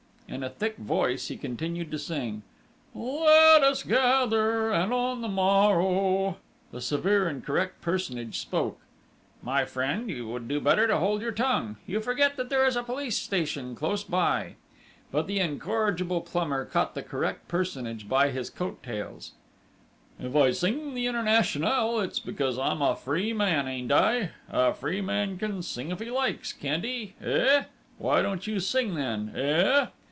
In a thick voice he continued to sing: "Let us gather, and on the morrow..." The severe and correct personage spoke. "My friend, you would do better to hold your tongue!... You forget that there is a police station close by!..." But the incorrigible plumber caught the correct personage by his coat tails. "If I sing the Internationale, it's because I'm a free man ain't I?... A free man can sing if he likes, can't he? Eh!... Why don't you sing then?... Eh!..."